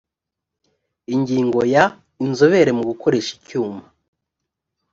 ingingo ya inzobere mu gukoresha icyuma